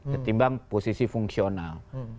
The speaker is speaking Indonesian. ketimbang posisi fungsional